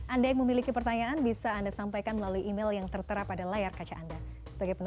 akan kembali sesaat lagi